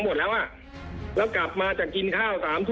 รถหน่วยราชการ